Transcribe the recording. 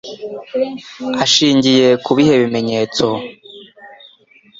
ashingiye ku bihe bimenyetso